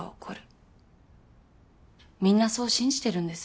みんなそう信じてるんです。